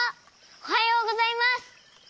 おはようございます。